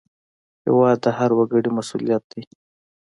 هېواد د هر وګړي مسوولیت دی